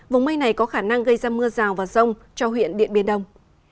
vùng mây này có khả năng gây ra mưa rào và rông cho huyện điện biên đông